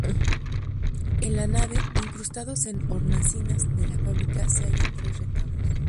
En la nave, incrustados en hornacinas de la fábrica, se hallan tres retablos.